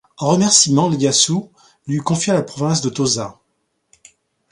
En remerciements Ieyasu lui confia la province de Tosa.